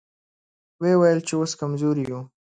ويې ويل چې اوس کمزوري يو.